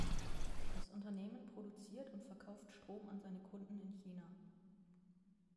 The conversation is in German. Das Unternehmen produziert und verkauft Strom an seine Kunden in China.